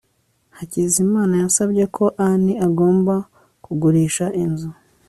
hakizimana yasabye ko ann agomba kugurisha inzu